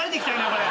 これ。